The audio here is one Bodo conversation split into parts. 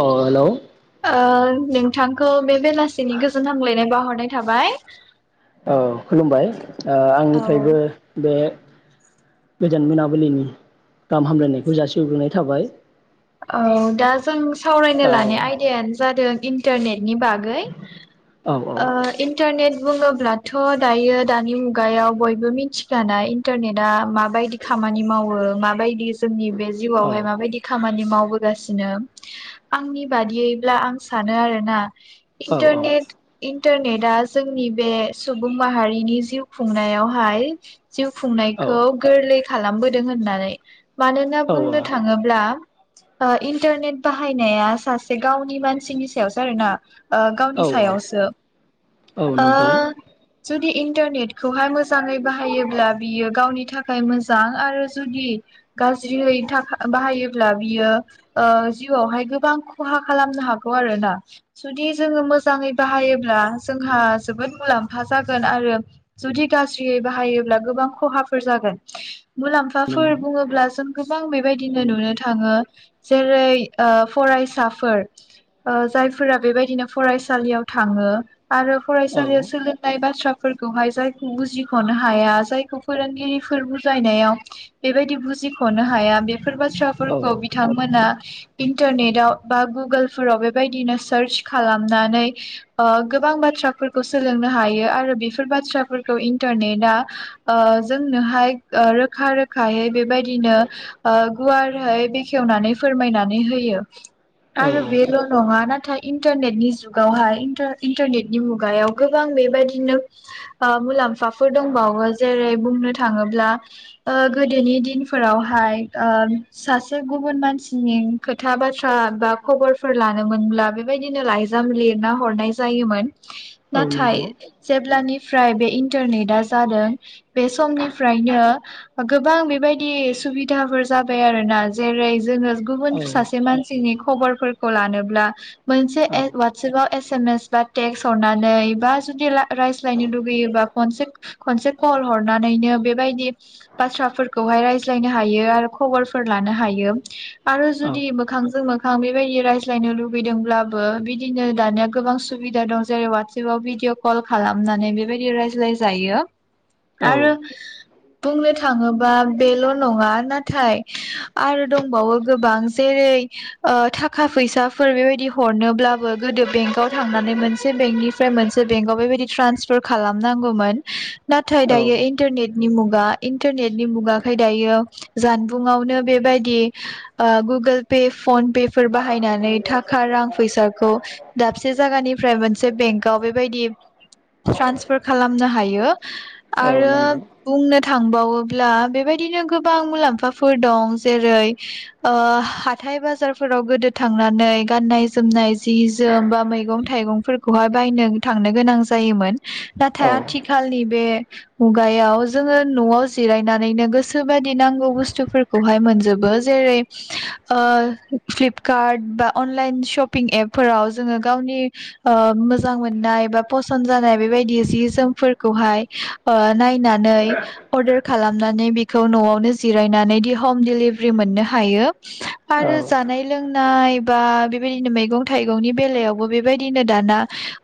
अ हेलौ ओ नोंथांखौ बे बेलासिनि गोजोन हामलायनाय बाहरनाय थाबाय औ खुलुमबाय औ आंनिफ्रायबो बे गोजोन मोनाबिलिनि गाहाम हामलायनायखौ जासिग्रोनाय थाबाय औ दा जों सावरायनो लानाय औ आयदायानो जादों इन्टारनेट नि बागै औ ओ इन्टारनेट बुङोब्लाथ' दायो दानि मुगायाव बयबो मिथिखानाय इन्टारनेटआ माबायदि खामानि मावो माबायदि जोंनि बे औ जिउआवहाय माबायदि खामानि खामानि मावबोगासिनो आंनि बादियैब्ला आं सानो आरोना औ इन्टारनेट इन्टारनेटआ जोंनि बे सुबुं माहारिनि जिउ खुंनायावहाय जिउ औ खुंनायखौ गोरलै खालामबोदों होननानै मानोना बुंनो थाङोब्ला ओ इन्टारनेट बाहायनाया सासे गावनि मानसिनि सायावसो आरो ना ओ औ गावनि सायावसो औ ओ नंगौ जुदि इन्टारनेटखौहाय मोजाङै बाहायोब्ला बियो गावनि थाखाय मोजां आरो जुदि गाज्रियै बाहायोब्ला बियो ओ जिउआवहाय गोबां खहा खालामनो हागौ आरोना जुदि जोङो मोजाङै बाहायोब्ला जोंहा जोबोद मुलाम्फा जागोन आरो जुदि गाज्रियै बाहायोब्ला गोबां खहाफोर जागोन मुलाम्फाफोर नंगौ बुङोब्ला जों गोबां बे बेबायदिनो नुनो थाङो जेरै ओ फरायसाफोर ओ जायफोरा बेबायदिनो फरायसालियाव थाङो आरो औ फरायसालियाव सोलोंनाय बाथ्रा फोरखौहाय जायखौ बुजिखनो हाया जायखौ फोरोंगिरिफोर बुजायनायाव बेबायदि बुजिखनो हाया बेफोर बाथ्रा औ फोरखौ बिथांमोना इन्टारनेटाव बा गुगोलफोराव बेबायदिनो सार्च खालामनानै ओ गोबां बाथ्राफोरखौ सोलोंनो हायो आरो बेफोर बाथ्राफोरखौ इन्टारनेटआ ओ जोंनोहाय ओ रोखा रोखायै बेबायदिनो ओ गुवार हैय बेखेवनानै फोरमायनानै होयो आरो औ बेल नङा नाथाय इन्टारनेटनि जुगावहाय इन्टा-इन्टारनेटनि मुगायाव गोबां बेबायदिनो ओ मुलाम्फाफोर दंबावो जेरै बुंनो थाङोब्ला ओ गोदोनि दिनफोरावहाय ओ सासे गुबुन मानसिनि खोथा बाथ्रा बा खबरफोर लानोमोनब्ला बेबायदिनो लाइजाम लिरना हरनाय जायोमोन औ नाथाय नंगौ जेब्लानि फ्राय बे इन्टारनेटा जादों बे समनिफ्रायनो गोबां बेबायदि सुबिदाबो जा बाय आरोना जेरै जोङो औ गुबुन सासे मानसिनि खबरफोरखौ लानोब्ला मोनसे औ वाटसपाव एस एम एस बा टेक्सट हरनानै बा जुदि रायज्लायनो लुगैयोबा खनसे खनसे कल हरनानैनो बेबायदि बाथ्राफोरखौहाय रायज्लायनो हायो आरो खबरफोर लानो हायो आरो औ जुदि मोखांजों मोखां बेबायदि रायज्लायनो लुुबैदोंब्लाबो बिदिनो दानिया गोबां सुबिदा दं जेरै वाटसएपाव भिडिअ कल खालामनानै बेबायदि रायज्लाय जायो आरो औ बुंनो थाङोबा बेल नङा ना नाथाय आरो दंबावो गोबां जेरै ओ थाखा फैसाफोर बेबायदि हरनोब्लाबो गोदो बेंकआव थांनानै मोनसे बेंकनिफ्राय मोनसे बेंकआव बेबायदि ट्रान्सफार खालामनांगौमोन नाथाय दायो इन्टारनेटनि मुगा इन्टारनेटनि मुगाखाय दायो जानबुङावनो बेबायदि ओ गुगोल पे फन पेफोर बाहायनानै थाखा रां फैसाखौ दाबसे जायगानिफ्राय मोनसे बेंकआव बेबायदि ट्रान्सफार खालामनो हायो औ आरो नंगौ बुंनो थांबावोब्ला बेबायदिनो गोबां मुलाम्फाफोर दं जेरै ओ हाथाय बाजारफोराव गोदो थांनानै गाननाय जोमनाय जि जोम बा मैगं थाइगंफोरखौहाय बायनो थांनो गोनां जायोमोन औ नाथाय औ आथिखालनि बे मुगायाव जोङो न'आव जिरायनानैनो गोसोबादि नां नांगौ बुस्थुफोरखौ मोनजोबो जेरै ओ फ्लिपकार्ड बा अनलाइन सपिं एपफोराव जोङो गावनि ओ मोजां मोननाय बा पसन जानाय बेबायदि जि जोमफोरखौहाय ओ नायनानै अरदार खालामनानै बेखौ नआवनो जिरायनानै दि हम दिडलिभारि मोननो हायो आरो जानाय लों नाय बा बेबादिनो मैगं थाइगंनि बेलायावबो बेबादिनो दाना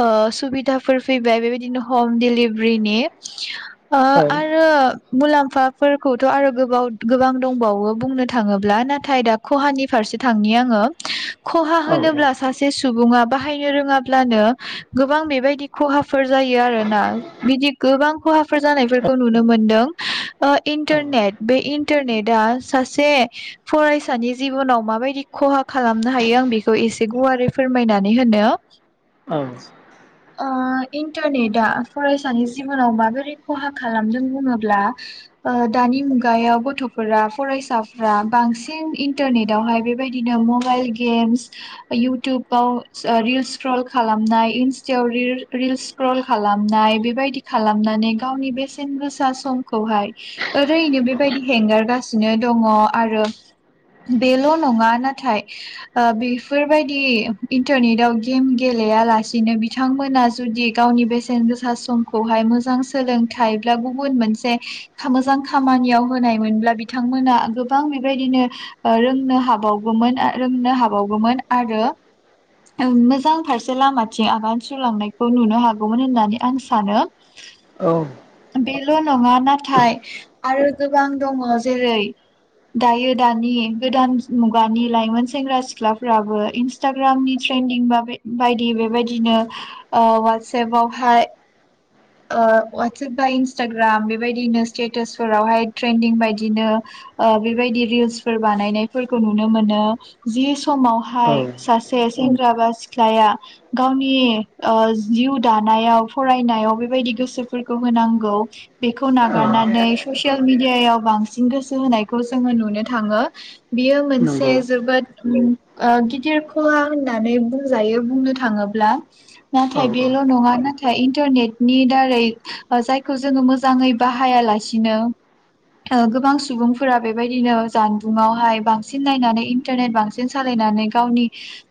ओ सुबिदाफोर फैबाय बेबायदिनो हम डेलिभारिनि ओ औ आरो मुलामफाफोरखौथ आरो गोब गोबां दंबावो बुंनो थाङोब्ला नाथाय दा खहानि फारसे थांनि आङो खहा औ होनोब्ला सासे सु सुबुङा बाहायनो रोङाब्लानो गोबां बेबायदि खहाफोर जायो आरोना बिदि गोबां खहाफोर जानायफोरखौ नुनो मोनदों ओ इन्टारनेट बे इन्टारनेटआ सासे फरायसानि जिबनाव माबायदि खहा खालामनो हायो आं बेखौ एसे गुवारै फोरमायनानै होनो ओ इन्टारनेटआ फरायसानि जिबनाव माबोरै खहा खालामदों बुङोब्ला दानि मुगा मुगायाव गथफोरा फरायसाफोरा बांसिन इन्टारनेटावहाय बेबायदिनो मबाइल गेमस इउटुबाव रिल स्क्रल खालामनाय इन्स्टाव रिल्स स्क्रल खालामनाय बेबायदि खालामनानै गावनि बेसेन गोसा समखौहाय ओरैनो बे बेबायदि हेंगारगासिनो दङ आरो बेल नङा नाथाय ओ बेफोरबायदि इन्टारनेटाव गेम गेलेया लासिनो बिथांमोना जुदि गावनि बेसेन गोसा समखौहाय मोजां सोलोंथाइ बा गुबुन मोनसे मोजां खामानियाव होनायमोनब्ला बिथांमोना गोबां बेबायदिनो ओ रोंनो हाबावगौमोन रोंनो हाबावगौमोन आरो मोजां फारसे लामाथिं आगान सुरलांनायखौ नुनो हागौमोन होननानै आं सानो औ बेल नङा नाथाय आरो गोबां दङ जेरै दायो दानि गोदान मुगानि लाइमोन सेंग्रा सिख्लाफ्राबो इन्सटाग्रामनि ट्रेन्दिं बायदि बेबायदिनो ओ वाटसएपावहाय ओ वाटसएप बा इन्सटाग्राम बेबायदिनो स्टेटासफोरावहाय ट्रेन्दिं बायदिनो ओ बेबायदि रिल्सफोर बानायनायफोरखौ नुनो मोनो जि समावहाय सासे सेंग्रा बा सिख्लाया गावनि ओ जिउ दानायाव फरायनायाव बे बायदि गोसोफोरखौ होनांगौ बेखौ औ नागारनानै ससिएल मि डियायाव बांसिन गोसो होनायखौ जोङो नुनो थाङो। बियो मोनसे नंगौ जोबोद ओम ओ गिदिर खहा होननानै बुंजायो बुंनो थाङोब्ला। औ नाथाय औ बेल' नङा ना इन्टारनेट नि दारै जायखौ जोङो मोजाङै बाहायालासिनो गोबां सुबुंफोरा बेबायदिनो जानबुंआवहाय बांसिन नायनानै इन्टारनेट बांसिन सालायनानै गावनि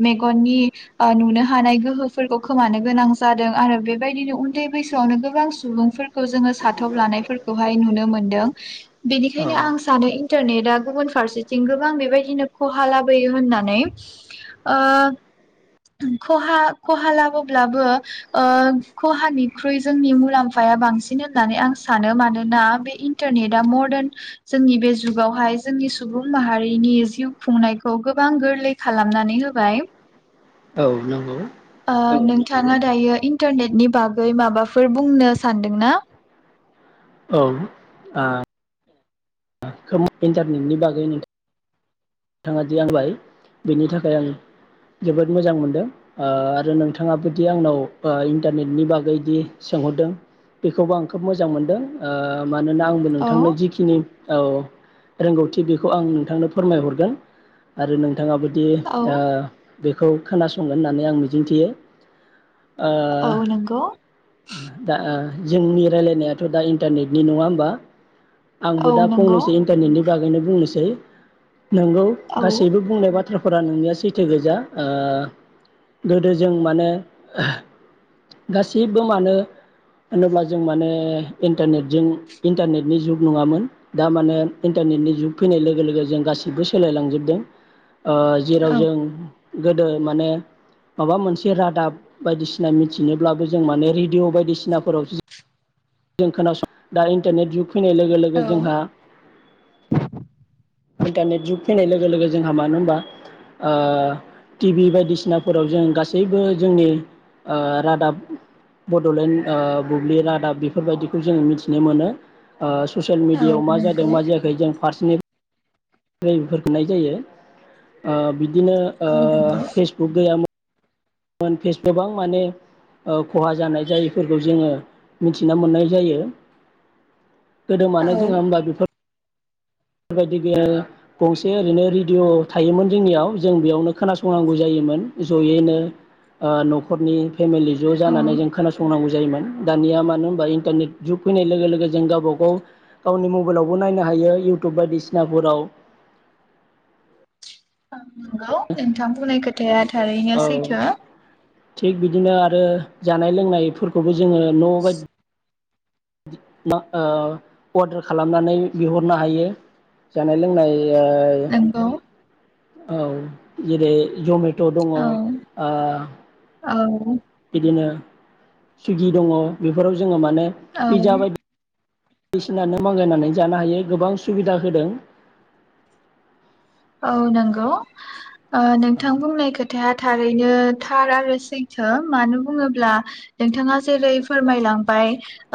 मेगननि ओ नुनो हानाय गोहोफोरखौ खोमानो गोनां जादों आरो बेबायदिनो उन्दै बैसोआवनो गोबां सुबुंफोरखौ जोङो साथब लानायफोरखौहाय नुनो मोनदों। औ बेनिखायनो आं सानो इन्टारनेटआ गुबुन फारसेथिं गोबां बेबायदिनो खहा लाबोयो होननानै। ओ खहा खहा लाबोब्लाबो ओ खहानिख्रुइ जोंनि मुलाम्फाया बांसिन होननानै आं सानो मानोना बे इन्टारनेटआ मदार्न जोंनि बे जुगावहाय जोंनि सुबुं माहारिनि जिउ खुंनायखौ गोबां गोरलै खालामनानै होबाय। औ नंगौ ओ नोंथाङा दायो इन्टारनेटनि बागै माबाफोर बुंनो सानदों ना? औ आ खोम इन्टारनेटनि बागै नों थाङा दि आंबाय बिनि थाखाय आं जोबोद मोजां मोनदों ओ आरो नोंथाङाबोदि आंनाव इन्टारनेटनि बागैदि सोंहरदों बेखौबो आं खोब मोजां मोनदों ओ मानोना आंबो औ नोंथांनो जिखिनि औ रोंगौथि बेखौ आं नोंथांनो फोरमाय हर रो आरो नों थाङाबोदि औ ओ बेखौ खोनासंगोन होननानै आं मिजिंथियो। ओ औ नंगौ दा ओ जोंनि रायलायनायाथ' दा इन्टारनेटनि नङा होमबा? आंबो औ दा नंगौ फंनैसो इन्टारनेटनि बागैनो बुंनोसै नोंगौ औ गासैबो बुंनाय बा थ्राफोरा नोंनिया सैथो गोजा ओ गोदो जों मानो गासैबो मानो होनोब्ला जों मानो इन्टारनेटजों इन्टारनेटनि जुग नङामोन दा मानो इन्टारनेटनि जुग फैनाय लोगो लोगो जों गासै बो सोलायलांजोबदों। ओ जेराव औ जों गोदो माने माबा मोनसे रादाब बायदिसिना मिथिनोब्लाबो जों माने रेडिय' बायदिसिनाफोरावसो जों जों खोनासं दा इन्टारनेट जुग फैनाय लोगो लोगो औ जोंहा इन्टारनेट जुग फैनाय लोगो लोगो जोंहा मानो होनबा ओ टि भि बायदिसिनाफोराव जों गासैबो जोंनि ओ रादाब बड'लेण्ड ओ बुब्लि रादाब बे फोरबायदिखौ जों मिथिनो मोनो। ओ ससियेल औ मिडियायाव मा जादों नंगौ मा जायाखै जों फार्टनि [unintelligible] जायो ओ बि दिनो ओ औ नंगौ फेसबुक गैयामोन फेस गोबां माने खहा जानाय जायैफोरखौ जोङो मिथिना मोननाय जायो। गोदो औ मानो जोङो होमबा बिफोर बेबायदि गैया गंसे ओरैनो रेडिअ' थायोमोन जोंनियाव जों बेयावनो खोनासंनांगौ जायोमोन ज'यैनो ओ न'खरनि फेमिलि ज' औ जानानै जों खोनासंनांगौ जा जायोमोन दानिया मानो होमबा इन्टरनेट जुग फैनाय लोगो लोगो जों गावबा गाव गावनि मबाइलावबो नायनो हायो, इउ तुब बायदिसिनाफोराव। अ नंगौ नोंथां बुंनाय खोथाया थारैनो औ सैथो। ओ जानाय लोंनायफोरखौबो जोङो न' बायदि मा ओ अर्डार खालामनानै बिहरनो हायो, जानाय लोंनाय यो नंगौ औ जेरै जमे ट' दङ ओ औ औ बिदिनो सुइगि दङ बेफोराव जो जोङो माने औ पिज्जा बायदि दिसिनानो मांगायनानै जानो हायो गोबां सुबिदा होदों। औ नंगौ। ओ नोंथां बुंनाय खोथ थाया थारैनो थार आरो सैथो, मानो बुङोब्ला नोंथाङा जेरै फोरमायलांबाय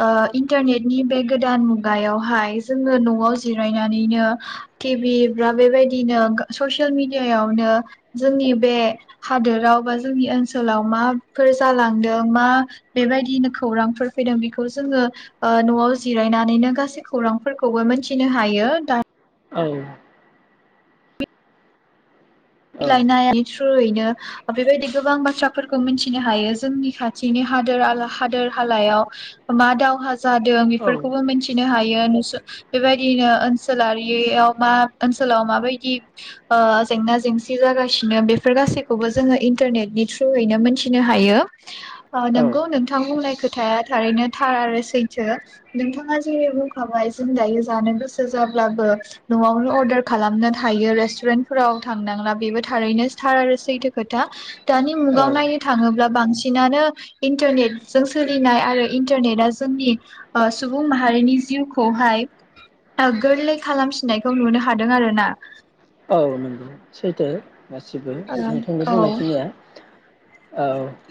ओ इन्टरनेटनि बे गोदान मुगायावहाय जोङो न'आव जिरायनानैनो टि भि ब्रा बेबायदि दिनो ससियेल मेडियायावनो जोंनि बे हादोराव बा जोंनि ओनसोलाव माफोर जालांदों मा बेबायदिनो खौरांफोर फैदों बेखौ जोङो ओ न'आव जिरायनानैनो गासै खौरांफोरखौबो मोनथिनो हायो दा औ औ मिलायनाय थ्रुयैनो बेबायदि गोबां बाथ्राफोरखौ मिथिनो हायो जोंनि खाथिनि हादोर आरो हादोर हालायाव मा दावहा जा जादों औ बेफोरखौबो मिथिनो हायो, नुसुं बेबायदिनो ओनसोलारियाव मा ओनसोलाव माबायदि ओ जेंना जेंसि सि जागासिनो बेफोर गासैखौबो जोङो इन्टारनेटनि थ्रुयैनो मोनथिनो हायो। ओ औ नोंगौ नोंथां बुंनाय खोथाया थारैनो थार आरो सैथो नोंथाङा जेरै बुंखाबाय जों दायो जानो गोसो जाब्लाबो न'आवनो अर्डार खालामनो थायो रेस्टुरेन्टफोराव थांनांला। बेबो थारैनो सार आरो सैथो खोथा। दानि मुगाव औ नायनो थाङोब्ला बांसिनानो इन्टारनेटजों सोलिनाय आरो इन्टारनेटआ जोंनि ओ सुबुं माहारिनि जिउखौहाय गोरलै खालामफिननायखौ नुनो हादों आरोना। औ नंगौ। सैथो गासिबो नोंथांनि ओ बुंनायखिनिया। औ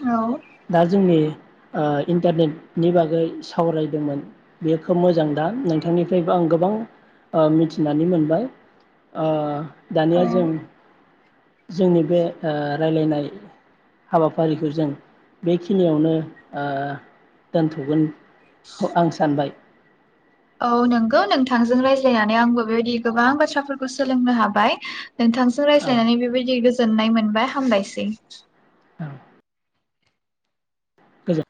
औ औ दा जोंनि ओ इन्टारनेटनि बागै सावरायदोंमोन बेयो खोब मोजां दा नोंथांनिफ्रायबो आं ओ गोबां ओ मिथिनानै मोनबाय ओ दानिया औ जों जोंनि बे ओ रायलायनाय हाबाफारिखौ जों बेखिनियावनो ओ दोनथ'गोन। खौ आं सानबाय। औ नोंगौ नोंथांजों रायज्लायनानै आंबो बेबायदि गोबां बाथ्राफोरखौ सोलोंनो हाबाय। नोंथांजों औ रायज्लायनानै औ बेबायदि गोजोननाय मोनबाय हामबायसै। गोजोन